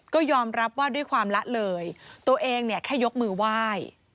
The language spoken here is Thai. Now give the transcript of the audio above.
ก็ยอมรับว่าด้วยความละเลยตัวเองเนี่ยแค่ยกมือไหว้